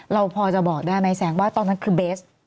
เราพอจะบอกได้ไหมแสงว่าตอนนั้นคือเบส